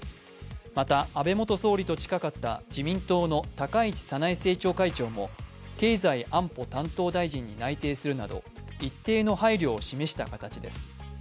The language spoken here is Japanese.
また安倍元総理と近かった自民党の高市早苗政調会長も経済安保担当大臣に内定するなど、一定の配慮を示した形です。